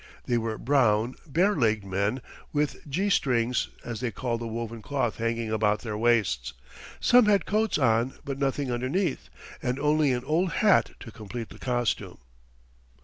They were brown, bare legged men with gee strings, as they call the woven cloth hanging about their waists. Some had coats on, but nothing underneath, and only an old hat to complete the costume.